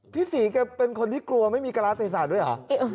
พี่ศรีแกเป็นคนที่กลัวไม่มีการาเทศศาสตร์ด้วยเหรอ